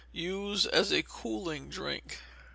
Use as cooling drink.